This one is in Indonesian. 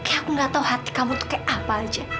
aku gak tau hati kamu tuh kayak apa aja